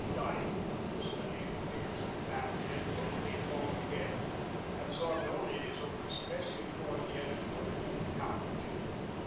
Dyke, studying the figures on the back of the envelope, came forward again. Absorbed only in his own distress, he ignored the editor and the cow puncher.